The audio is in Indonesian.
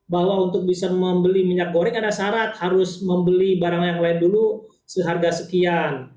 bahwa untuk bisa membeli minyak goreng ada syarat harus membeli barang yang lain dulu seharga sekian